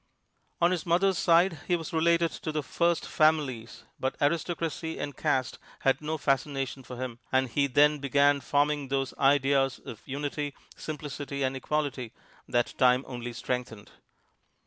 On his mother's side he was related to the "first families," but aristocracy and caste had no fascination for him, and he then began forming those ideas of utility, simplicity and equality that time only strengthened.